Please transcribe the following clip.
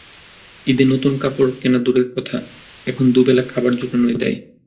ঈদে নতুন কাপড় কেনা দূরের কথা, এখন দুবেলা খাবার জোটানোই দায়।